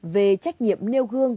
về trách nhiệm nêu gương